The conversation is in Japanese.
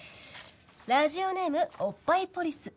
ラジオネーム「おっぱいポリス」。